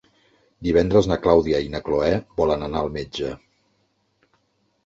Divendres na Clàudia i na Cloè volen anar al metge.